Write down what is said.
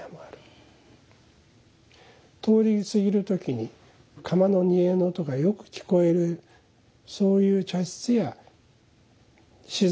通り過ぎる時に釜の煮えの音がよく聞こえるそういう茶室や静かな茶室がある。